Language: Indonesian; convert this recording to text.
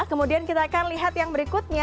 kemudian kita akan lihat yang berikutnya